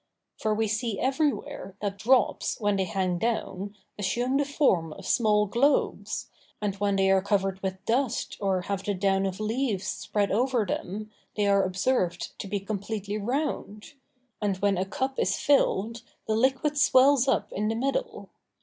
For we see everywhere, that drops, when they hang down, assume the form of small globes, and when they are covered with dust, or have the down of leaves spread over them, they are observed to be completely round; and when a cup is filled, the liquid swells up in the middle.